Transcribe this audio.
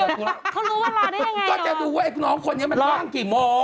เขารู้ว่ารอได้ยังไงเหรอว่ะรอดก็จะดูว่าน้องคนนี้มันรบกี่โมง